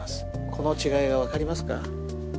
この違いがわかりますか？